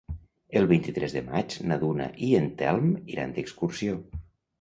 El vint-i-tres de maig na Duna i en Telm iran d'excursió.